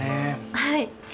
はい！